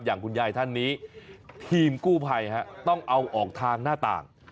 อย่างคุณยายท่านนี้ทีมกู้ภัยต้องเอาออกทางหน้าต่าง